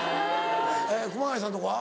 熊谷さんとこは？